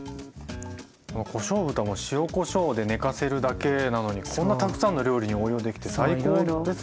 このこしょう豚も塩・こしょうで寝かせるだけなのにこんなたくさんの料理に応用できて最高ですね。